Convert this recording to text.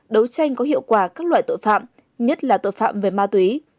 đấu tranh có hiệu quả các loại tội phạm nhất là tội phạm về ma túy